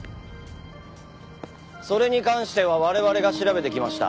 それに関しては我々が調べてきました。